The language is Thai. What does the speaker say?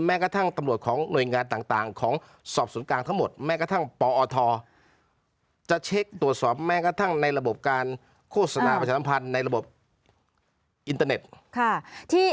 แม้กระทั่งตำรวจของหน่วยงานต่างของสอบศูนย์กลางทั้งหมดแม้กระทั่งปอทจะเช็คตรวจสอบแม้กระทั่งในระบบการโฆษณาประชาสัมพันธ์ในระบบอินเตอร์เน็ต